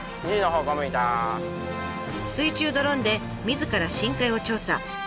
水中ドローンでみずから深海を調査。